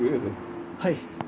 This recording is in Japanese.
はい。